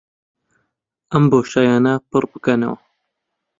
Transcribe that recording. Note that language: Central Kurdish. ئەم بۆشایییانە پڕ بکەنەوە